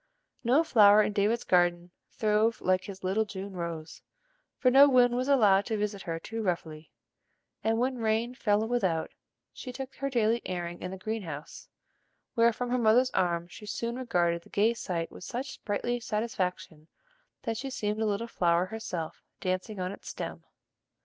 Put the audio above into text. No flower in David's garden throve like his little June rose, for no wind was allowed to visit her too roughly; and when rain fell without, she took her daily airing in the green house, where from her mother's arms she soon regarded the gay sight with such sprightly satisfaction that she seemed a little flower herself dancing on its stem.